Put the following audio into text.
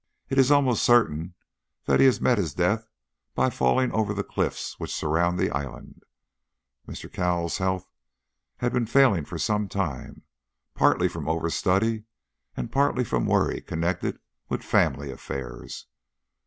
It is almost certain that he has met his death by falling over the cliffs which surround the island. Mr. Cowles' health has been failing for some time, partly from over study and partly from worry connected with family affairs.